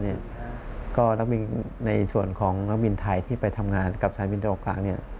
นักบินในนักบินไทยที่ไปทำงานกับชายบินตะวันออกกลาง